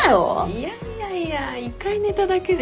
いやいやいや１回寝ただけでね